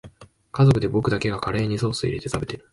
家族で僕だけがカレーにソースいれて食べる